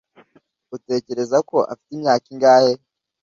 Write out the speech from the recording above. utekereza ko afite imyaka ingahe